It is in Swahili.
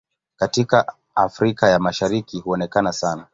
Katika Afrika ya Mashariki huonekana sana.